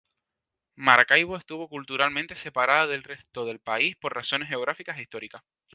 Maracaibo estuvo culturalmente separada del resto del país por razones geográficas e históricas.